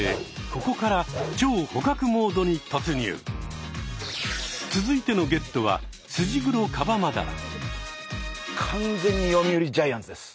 ここからチョウ捕獲モードにとつにゅう！続いてのゲットは完全に読売ジャイアンツです。